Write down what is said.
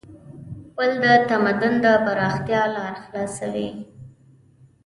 پُل د تمدن د پراختیا لار خلاصوي.